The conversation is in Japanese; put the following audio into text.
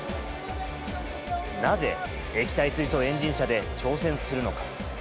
なぜ液体水素エンジン車で挑戦するのか。